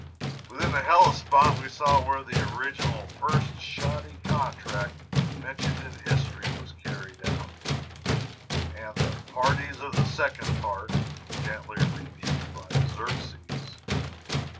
Within the Hellespont we saw where the original first shoddy contract mentioned in history was carried out, and the "parties of the second part" gently rebuked by Xerxes.